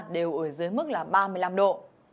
đều ở dưới mức là ba mươi năm độ